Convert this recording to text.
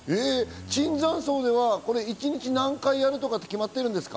椿山荘では一日何回やるとか決まってるんですか？